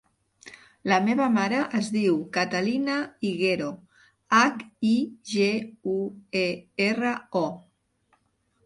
La meva mare es diu Catalina Higuero: hac, i, ge, u, e, erra, o.